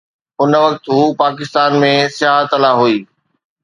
ان وقت هوءَ پاڪستان ۾ سياحت لاءِ هئي.